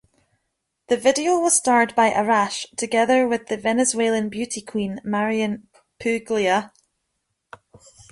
The video was starred by Arash, together with the Venezuelan beauty queen, Marianne Puglia.